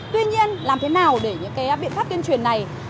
tuy nhiên làm thế nào để những cái biện pháp tuyên truyền này